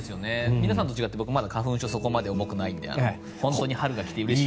皆さんと違って僕はそこまで花粉症が重くないので本当に春が来てうれしい。